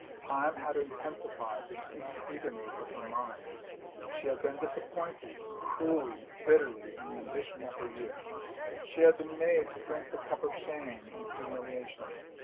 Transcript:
Time had intensified the keen eagerness of her mind. She had been disappointed, cruelly, bitterly, in the ambition of her youth. She had been made to drink the cup of shame and humiliation.